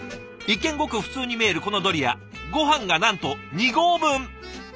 一見ごく普通に見えるこのドリアごはんがなんと２合分！